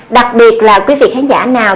đặc biệt là quý vị khán giả nào